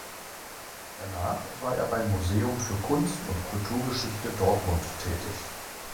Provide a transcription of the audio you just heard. Danach war er beim Museum für Kunst und Kulturgeschichte Dortmund tätig.